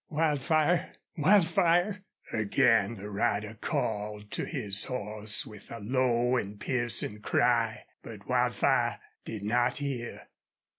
"WILDFIRE! WILDFIRE!" Again the rider called to his horse, with a low and piercing cry. But Wildfire did not hear.